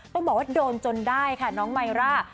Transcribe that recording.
ต้องบอกว่าโดนจนได้ค่ะน้องไมร่า